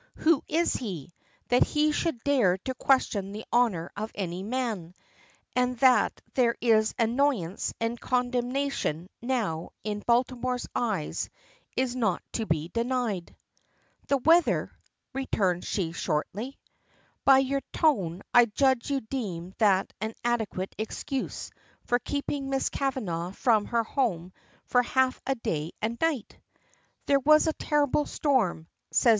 Who is he, that he should dare to question the honor of any man; and that there is annoyance and condemnation now in Baltimore's eyes is not to be denied. "The weather," returns she shortly. "By your tone I judge you deem that an adequate excuse for keeping Miss Kavanagh from her home for half a day and a night." "There was a terrible storm," says.